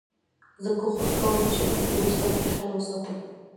زه کوښښ کوم چي خپل دوستان خوشحاله وساتم.